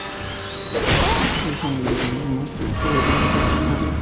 Es un endemismo estricto de las Islas Canarias.